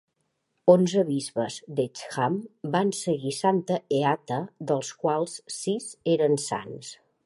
Onze bisbes d'Hexham van seguir Santa Eata, dels quals sis eren sants.